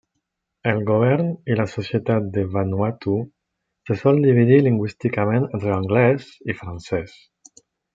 El govern i la societat de Vanuatu se sol dividir lingüísticament entre anglès i francès.